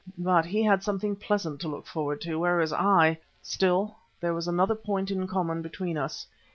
But he had something pleasant to look forward to, whereas I ! Still, there was another point in common between us.